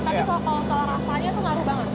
tapi soto rasanya tuh ngaruh banget